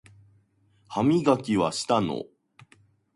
歯磨きはしたの？